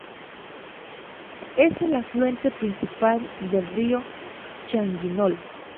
Es el afluente principal del río Changuinola.